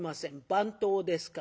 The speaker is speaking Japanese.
番頭ですから」。